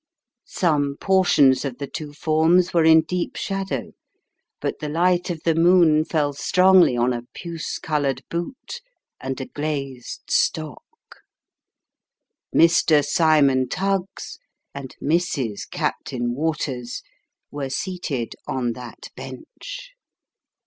Some portions of the two forms were in deep shadow, but the light of the moon fell strongly on a puce coloured boot and a glazed stock. Mr. Cymon Tuggs and Mrs. Captain Waters were seated on that bench.